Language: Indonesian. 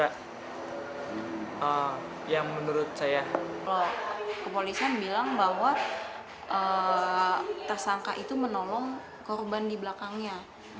kepolisian bilang bahwa tersangka itu menolong korban di belakangnya